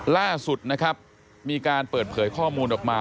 ล่าสุดนะครับมีการเปิดเผยข้อมูลออกมา